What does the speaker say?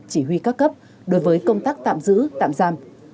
chỉ huy các cấp đối với công tác tạm giữ tạm giam